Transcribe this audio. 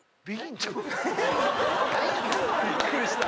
びっくりした！